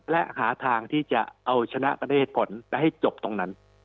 และหาทางที่จะเอาชนะกันได้เหตุผลแล้วให้จบตรงนั้น